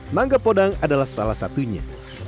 mangga podang adalah salah satunya